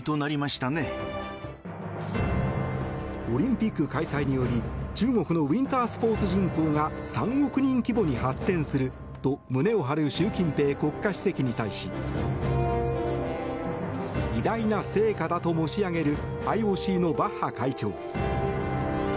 オリンピック開催により中国のウィンタースポーツ人口が３億人規模に発展すると胸を張る習近平国家主席に対し偉大な成果だと持ち上げるＩＯＣのバッハ会長。